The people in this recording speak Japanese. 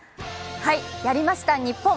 やりました日本。